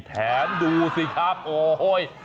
แผนดูสิครับโอ้โหย